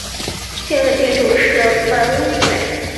现任店主是鳗屋育美。